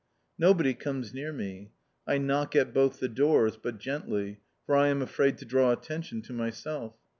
Nobody comes near me. I knock at both the doors, but gently, for I am afraid to draw attention to myself.